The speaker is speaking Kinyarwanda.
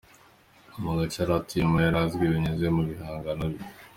Mu gace yari atuyemo yari azwi binyuze mu bihangano bye.